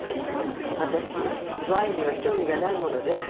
私ワインには興味がないもので。